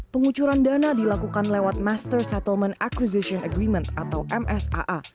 pengucuran dana dilakukan lewat master settlement acquisition agreement atau msaa